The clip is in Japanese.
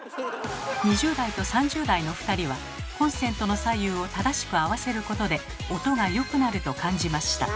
２０代と３０代の２人はコンセントの左右を正しく合わせることで音がよくなると感じました。